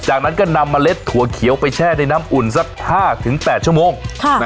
จากนั้นก็นำเมล็ดถั่วเขียวไปแช่ในน้ำอุ่นสัก๕๘ชั่วโมง